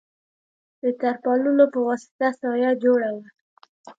د تر پالونو په وسطه سایه جوړه وه.